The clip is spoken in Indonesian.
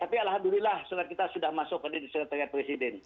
tapi alhamdulillah surat kita sudah masuk ke disekretariat presiden